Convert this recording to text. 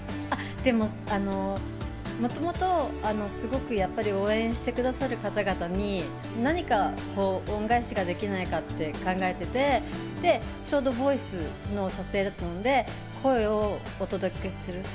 もともと応援してくださる方々に何か恩返しができないかって考えてて、ちょうど『ボイス』の撮影だったので声をお届けする。